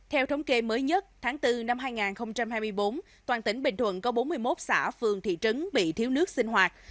theo thống kê mới nhất tháng bốn năm hai nghìn hai mươi bốn toàn tỉnh bình thuận có bốn mươi một xã phường thị trấn bị thiếu nước sinh hoạt